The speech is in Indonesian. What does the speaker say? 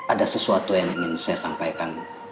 ada sesuatu yang ingin saya sampaikan